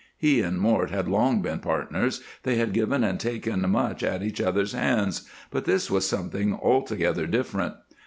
He and Mort had long been partners, they had given and taken much at each other's hands, but this was something altogether different.